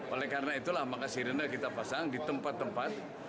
oleh karena itulah maka sirine kita pasang di tempat tempat